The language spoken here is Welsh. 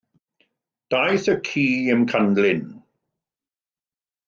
Daeth y ci i'm canlyn.